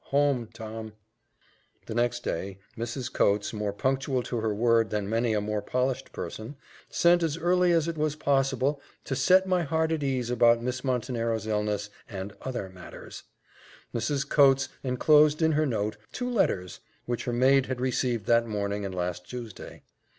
Home, Tom." The next day, Mrs. Coates, more punctual to her word than many a more polished person, sent as early as it was possible "to set my heart at ease about Miss Montenero's illness, and other matters." Mrs. Coates enclosed in her note two letters, which her maid had received that morning and last Tuesday.